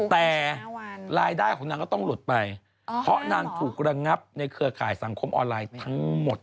แต่รายได้ของนางก็ต้องหลุดไปเพราะนางถูกระงับในเครือข่ายสังคมออนไลน์ทั้งหมด